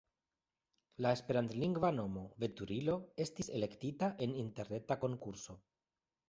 La esperantlingva nomo "Veturilo" estis elektita en interreta konkurso.